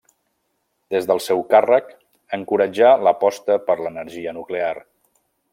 Des del seu càrrec encoratjà l'aposta per l'energia nuclear.